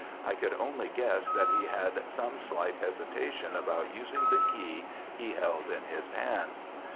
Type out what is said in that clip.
I could only guess that he had some slight hesitation about using the key he held in his hand.